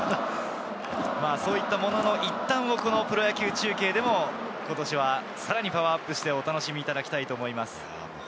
そういったものの一端を今年のプロ野球中継でパワーアップして、お楽しみいただきたいと思います。